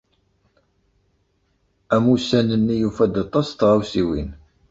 Amussan-nni yufa-d aṭas n tɣawsiwin.